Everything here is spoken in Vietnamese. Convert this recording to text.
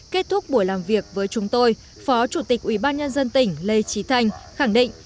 kết thúc buổi làm việc với chúng tôi phó chủ tịch ủy ban nhân dân tỉnh lê trí thành khẳng định